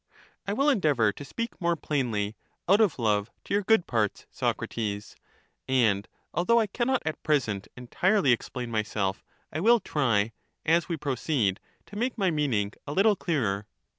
I will endeavour to speak more plainly out of love to your good parts, Socrates ; and, although I cannot at present entirely explain myself, I will try, as we proceed, to make my meaning a little clearer.